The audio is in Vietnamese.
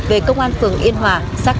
bèn bận thuê giửi chặt